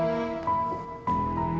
apaan sih ini